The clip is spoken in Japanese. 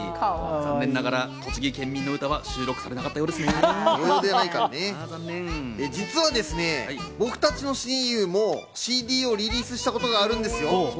残念ながら栃木県民の歌は収実はですね、僕たちの親友もＣＤをリリースしたことがあるんですよ。